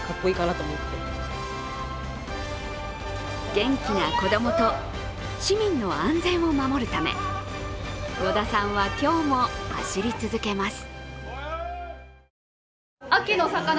元気な子供と市民の安全を守るため、野田さんはも今日も走り続けます。